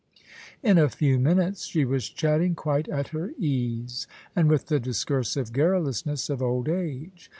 In a few minutes she was chatting quite at her ease, and with the discursive garrulousness of old age.